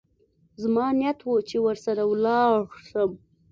زما نيت و چې ورسره ولاړ سم.